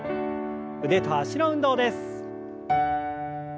腕と脚の運動です。